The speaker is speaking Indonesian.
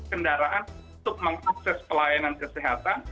kendaraan untuk mengakses pelayanan kesehatan